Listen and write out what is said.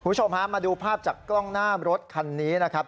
คุณผู้ชมฮะมาดูภาพจากกล้องหน้ารถคันนี้นะครับ